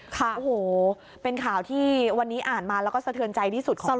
ค่ะโอ้โหเป็นข่าวที่วันนี้อ่านมาแล้วก็สะเทือนใจที่สุดของ